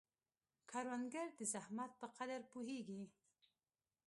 کروندګر د زحمت په قدر پوهیږي